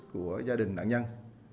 của gia đình nạn nhân